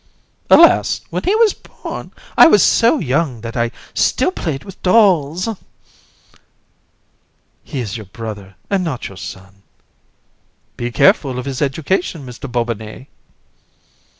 COUN. Alas! when he was born, I was so young that I still played with dolls. JU. He is your brother and not your son. COUN. Be very careful of his education, Mr. Bobinet.